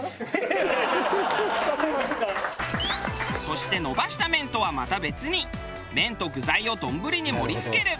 そして伸ばした麺とはまた別に麺と具材をどんぶりに盛り付ける。